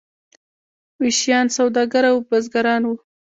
ویشیان سوداګر او بزګران وو.